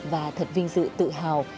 và thật vinh dự tự hào